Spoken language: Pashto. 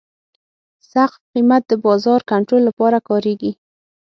سقف قیمت د بازار کنټرول لپاره کارېږي.